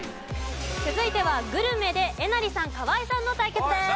続いてはグルメでえなりさん河井さんの対決です。